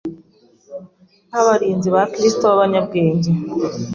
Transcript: Nk’abarinzi b’Abakristo b’abanyabwenge,